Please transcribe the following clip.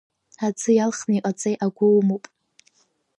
Аӡы иалхны иҟаҵеи агәы умоуп!